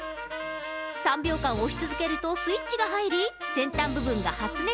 ３秒間押し続けるとスイッチが入り、先端部分が発熱。